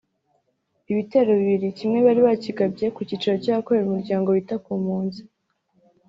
Ibitero bibiri; kimwe bari bakigabye ku kicaro cy’ahakorera umuryango wita ku mpunzi